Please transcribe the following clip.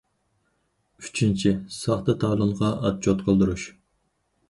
ئۈچىنچى، ساختا تالونغا ئاتچوت قىلدۇرۇش.